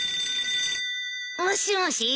☎もしもし！